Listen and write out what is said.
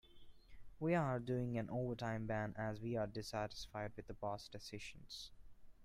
We are doing an overtime ban as we are dissatisfied with the boss' decisions.